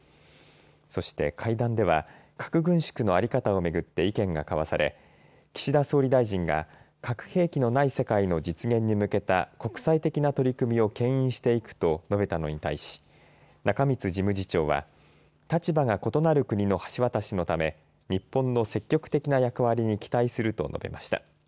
そして会談では核軍縮の在り方を巡って意見が交わされ岸田総理大臣が核兵器のない世界の実現に向けた国際的な取り組みをけん引していくと述べたのに対し中満事務次長は立場が異なる国の橋渡しのため日本の積極的な役割に期待すると述べました。